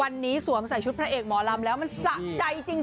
วันนี้สวมใส่ชุดพระเอกหมอลำแล้วมันสะใจจริง